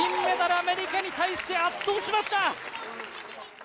アメリカに対して圧倒しました！